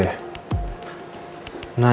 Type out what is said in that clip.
lo itu kenapa ya